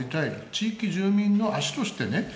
地域住民の足としてね